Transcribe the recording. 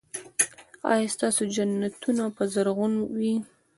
ایا ستاسو جنتونه به زرغون وي؟